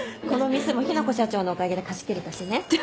この店も雛子社長のおかげで貸し切れたしね。